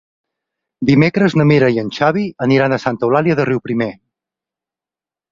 Dimecres na Mira i en Xavi aniran a Santa Eulàlia de Riuprimer.